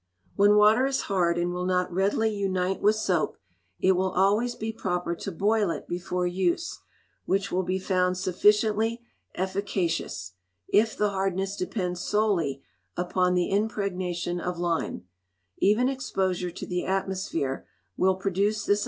When water is hard, and will not readily unite with soap, it will always be proper to boil it before use; which will be found sufficiently efficacious, if the hardness depends solely upon the impregnation of lime.